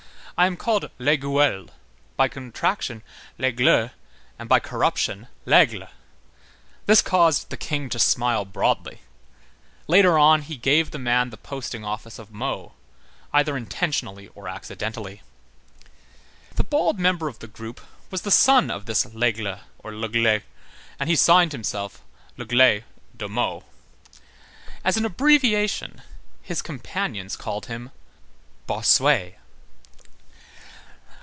I am called Lesgueules, by contraction Lesgle, and by corruption l'Aigle." This caused the King to smile broadly. Later on he gave the man the posting office of Meaux, either intentionally or accidentally. The bald member of the group was the son of this Lesgle, or Légle, and he signed himself, Légle [de Meaux]. As an abbreviation, his companions called him Bossuet.